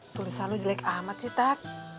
tulisan lo jelek amat sih tat